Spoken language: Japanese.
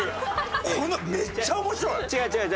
このめっちゃ面白い！